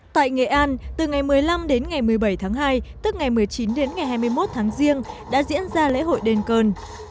tại nghệ an từ ngày một mươi năm đến ngày một mươi bảy tháng hai tức ngày một mươi chín đến ngày hai mươi một tháng riêng đã diễn ra lễ hội đền cơn